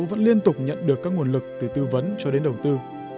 vẫn liên tục nhận được các nguồn lực từ tư vấn cho đến đầu tư